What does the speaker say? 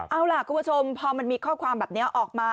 เอาล่ะคุณผู้ชมพอมันมีข้อความแบบนี้ออกมา